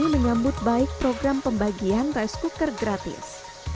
menyambut baik program pembagian rice cooker gratis